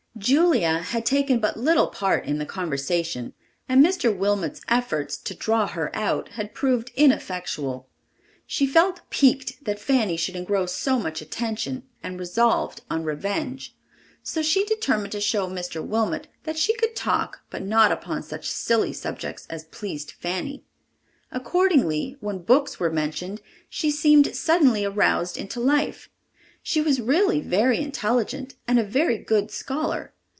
Julia had taken but little part in the conversation and Mr. Wilmot's efforts to "draw her out" had proved ineffectual. She felt piqued that Fanny should engross so much attention and resolved on revenge; so she determined to show Mr. Wilmot that she could talk but not upon such silly subjects as pleased Fanny. Accordingly, when books were mentioned, she seemed suddenly aroused into life. She was really very intelligent and a very good scholar.